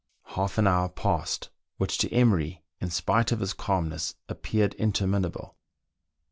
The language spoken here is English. Half an hour passed, which to Emery, in spite of his calmness, appeared inter minable.